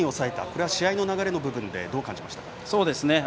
これは試合の流れの部分でどう感じましたか？